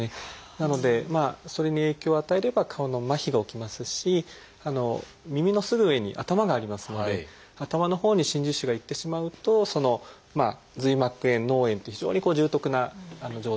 なのでそれに影響を与えれば顔の麻痺が起きますし耳のすぐ上に頭がありますので頭のほうに真珠腫が行ってしまうと髄膜炎脳炎っていう非常に重篤な状態になりえますね。